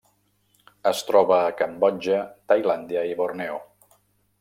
Es troba a Cambodja, Tailàndia i Borneo.